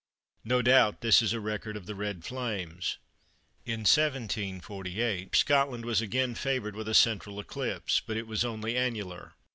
No doubt this is a record of the "Red Flames." In 1748 Scotland was again favoured with a central eclipse, but it was only annular.